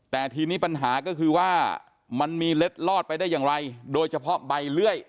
แต่ทีนี้ปัญหาก็คือว่ามันมีเล็ดลอดไปได้อย่างไรโดยเฉพาะใบเลื่อย